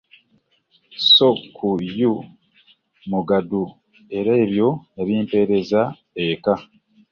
Sso ku Y. Mugadu era n'ebyo yabimpeereza eka